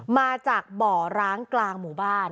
มาจากบ่อร้างกลางหมู่บ้าน